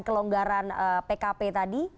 kelonggaran pkp tadi